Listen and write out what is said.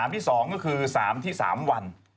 ที่๒ก็คือ๓ที่๓วัน